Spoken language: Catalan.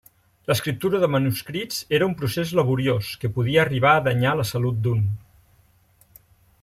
L'escriptura de manuscrits era un procés laboriós que podia arribar a danyar la salut d'un.